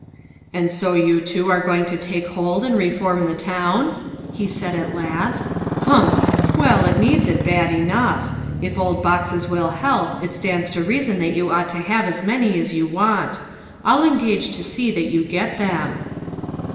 " And so you two are going to take hold and reform the town ?" he said at last. " Humph ! Well, it needs it bad enough ? if old boxes will help, it stands to reason that you ought to have as many as you want. I'll engage to see that you get them."